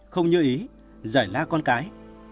để giải trí giải la con cái